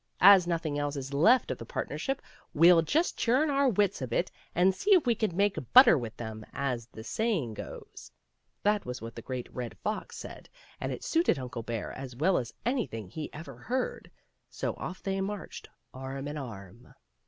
As nothing else is left of the partnership we'll just chum our wits a bit, and see if we can make butter with them, as the saying goes;*' that was what the Great Red Fox said, and it suited Uncle Bear as well as anything he ever heard ; so off they marched arm in arm.